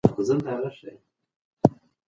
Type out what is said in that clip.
د لمر او مصنوعي رڼا انعکاس کعبه ځلېدونکې ښکاره کوي.